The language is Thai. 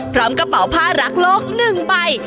กระเป๋าผ้ารักโลก๑ใบ